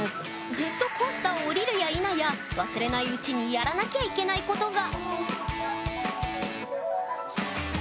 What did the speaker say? ジェットコースターを降りるやいなや忘れないうちにやらなきゃいけないことが！